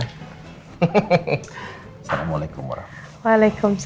assalamualaikum warahmatullahi wabarakatuh